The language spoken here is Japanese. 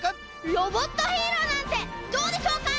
ロボットヒーローなんてどうでしょうか？